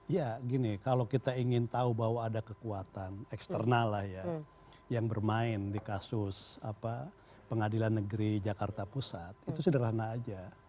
ya gini kalau kita ingin tahu bahwa ada kekuatan eksternal lah ya yang bermain di kasus pengadilan negeri jakarta pusat itu sederhana aja